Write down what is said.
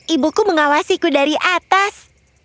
ibuku mengawasiku dari atas